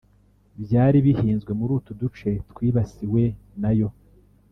byari bihinzwe muri utu duce twibasiwe na yo